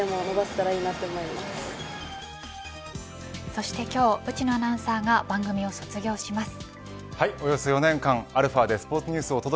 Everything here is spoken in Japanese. そして今日内野アナウンサーが番組を卒業します。